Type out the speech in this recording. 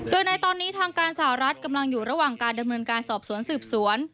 โดยในตอนนี้ทางการสหรัฐกำลังอยู่ระหว่างการดำเนินการสอบสวนสืบสวน